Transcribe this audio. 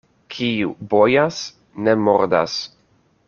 Kiu bojas, ne mordas.